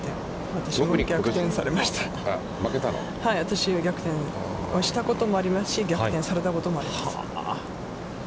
私は逆転、逆転したこともありますし、逆転されたこともあります。